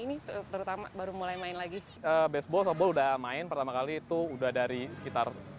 ini terutama baru mulai main lagi baseball soball udah main pertama kali itu udah dari sekitar